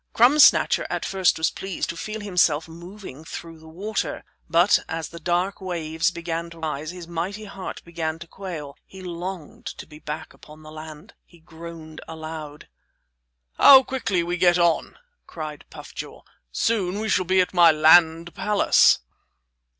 Crumb Snatcher at first was pleased to feel himself moving through the water. But as the dark waves began to rise his mighty heart began to quail. He longed to be back upon the land. He groaned aloud. "How quickly we get on," cried Puff Jaw; "soon we shall be at my land palace."